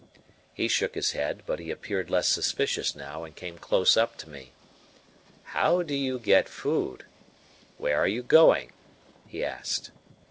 He shook his head; but he appeared less suspicious now and came close up to me. "How do you get food? Where are you going?" he asked.